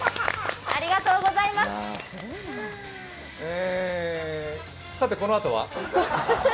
えーさて、このあとは？